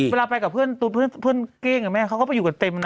เวลาไปกับเพื่อนเก้งกับแม่เขาก็ไปอยู่กันเต็มนะ